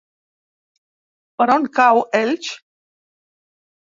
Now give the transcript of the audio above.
Per on cau Elx?